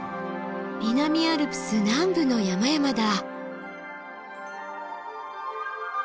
南アルプス南部の山々だ。